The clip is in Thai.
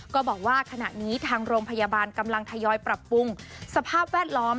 ก็บอกว่าขณะนี้ทางโรงพยาบาลกำลังทยอยปรับปรุงสภาพแวดล้อม